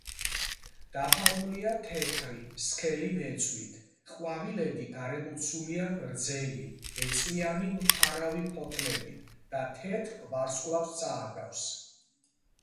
დაფარულია თეთრი, სქელი ბეწვით; ყვავილედი გარემოცულია გრძელი, ბეწვიანი მფარავი ფოთლებით და თეთრ ვარსკვლავს წააგავს.